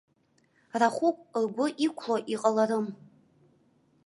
Рахәык ргәы иқәло иҟаларым!